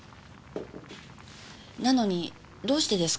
なのにどうしてですか？